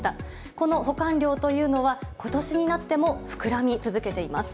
この保管料というのは、ことしになっても膨らみ続けています。